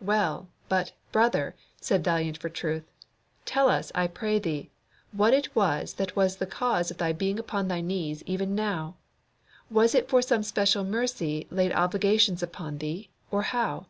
"Well, but, brother," said Valiant for truth, "tell us, I pray thee, what was it that was the cause of thy being upon thy knees even now? Was it for that some special mercy laid obligations upon thee, or how?"